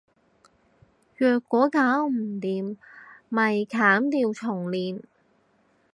若果搞唔掂，咪砍掉重練